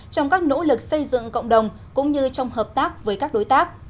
trong các nỗ lực xây dựng cộng đồng cũng như trong hợp tác với các đối tác